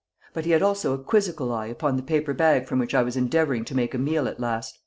But he had also a quizzical eye upon the paper bag from which I was endeavouring to make a meal at last.